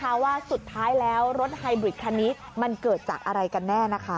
เพราะว่าสุดท้ายแล้วรถไฮบริดคันนี้มันเกิดจากอะไรกันแน่นะคะ